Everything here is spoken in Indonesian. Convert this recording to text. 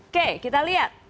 oke kita lihat